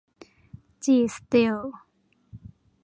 จี สตีล